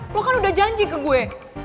lo kan udah janji ke gue